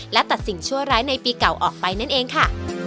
และตัดสิ่งชั่วร้ายในปีเก่าออกไปนั่นเองค่ะ